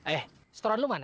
eh setoran lu mana